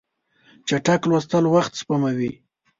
چټک لوستل وخت سپموي.